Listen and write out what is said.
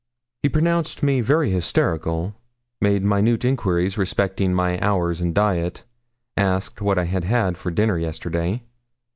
He pronounced me very hysterical, made minute enquiries respecting my hours and diet, asked what I had had for dinner yesterday.